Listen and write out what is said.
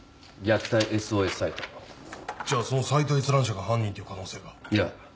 じゃそのサイト閲覧者が犯人っていう可能性が？いや。